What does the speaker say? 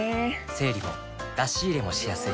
整理も出し入れもしやすい